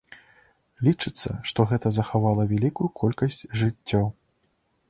Лічыцца, што гэта захавала вялікую колькасць жыццяў.